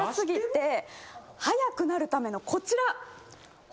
速くなるためのこちら。